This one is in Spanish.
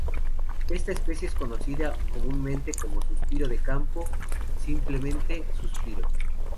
Esta especie es conocida comúnmente como 'Suspiro de campo' simplemente 'Suspiro'.